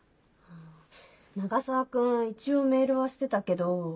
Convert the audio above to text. あぁ永沢君一応メールはしてたけど。